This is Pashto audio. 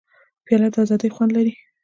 پیاله د ازادۍ خوند لري.